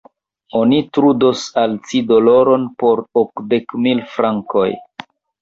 Oni trudos al ci doloron por okdek mil frankoj.